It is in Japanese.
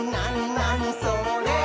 なにそれ？」